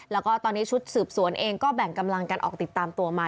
แล้วก็ตอนนี้ชุดสืบสวนเองก็แบ่งกำลังกันออกติดตามตัวมา